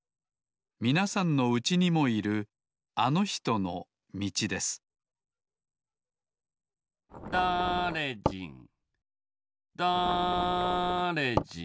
みなさんのうちにもいるあのひとのみちですだれじんだれじん